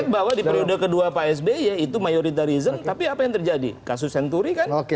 bahwa di periode kedua pak sby itu mayoritarism tapi apa yang terjadi kasus senturi kan